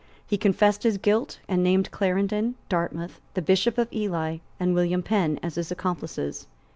He confessed his guilt, and named Clarendon, Dartmouth, the Bishop of Ely and William Penn, as his accomplices.